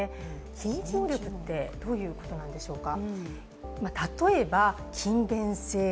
非認知能力ってどういうことなんでしょうか。